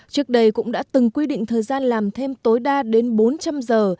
trước đây cũng đã từng quy định thời gian làm thêm tối đa đến bốn trăm linh giờ